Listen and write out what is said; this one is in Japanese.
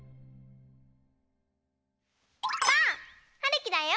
ばあっ！はるきだよ。